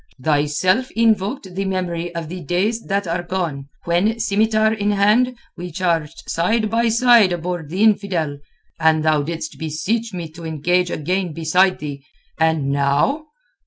"Thyself invoked the memory of the days that are gone, when, scimitar in hand, we charged side by side aboard the infidel, and thou didst beseech me to engage again beside thee. And now...."